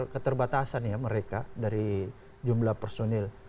keterbatasan ya mereka dari jumlah personil